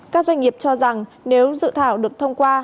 các doanh nghiệp cho rằng nếu dự thảo được thông qua